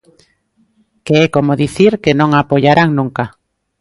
Que é como dicir que non a apoiarán nunca.